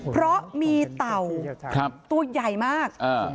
เพราะมีเต่าตัวใหญ่มาก